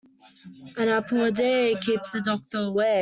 An apple a day keeps the doctor away.